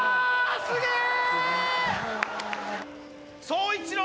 すげえ！